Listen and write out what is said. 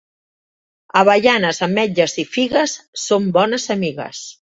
Avellanes, ametlles i figues són bones amigues.